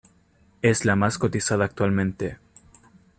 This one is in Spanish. Es la más cotizada actualmente.